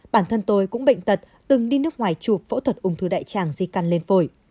bản thân tôi cũng bệnh tật từng đi nước ngoài chụp phẫu thuật ung thư đại tràng di căn lên phổi